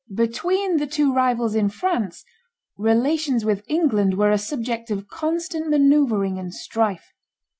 Between the two rivals in France, relations with England were a subject of constant manoeuvring and strife.